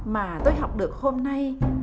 mà tôi học được hôm nay